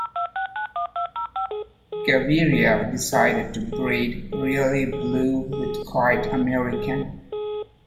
Gaviria decided to breed Really Blue with Quiet American.